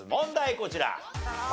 こちら。